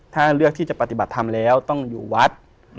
ถ้าเลือกที่จะปฏิบัติธรรมแล้วต้องอยู่วัด